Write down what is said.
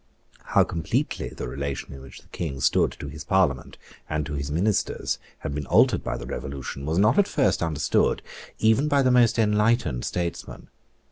How completely the relation in which the King stood to his Parliament and to his ministers had been altered by the Revolution was not at first understood even by the most enlightened statesmen.